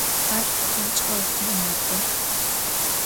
Ar kumç'e 'ofım mek'o.